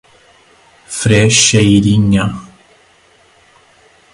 Frecheirinha